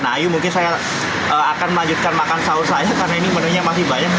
nah ayu mungkin saya akan melanjutkan makan sahur saya karena ini menunya masih banyak